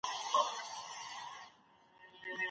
شاه محمود د افغانانو د ستنېدنې مخنیوی وکړ.